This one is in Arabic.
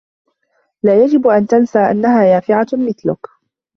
لا يجب أن تنسى أنّها يافعة مثلك.